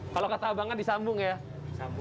kalau kata abang kan disambung ya